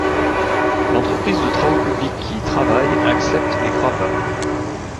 L’entreprise de travaux publics qui y travaille accepte les gravats.